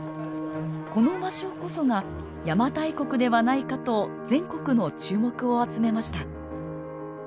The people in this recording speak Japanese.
この場所こそが邪馬台国ではないかと全国の注目を集めました。